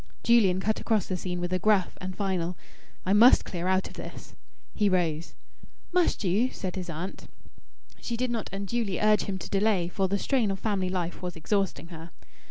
Julian cut across the scene with a gruff and final "I must clear out of this!" He rose. "Must you?" said his aunt. She did not unduly urge him to delay, for the strain of family life was exhausting her.